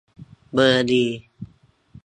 เบอร์ดี